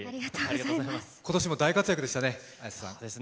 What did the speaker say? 今年も大活躍でしたね。